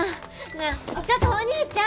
なあちょっとお兄ちゃん！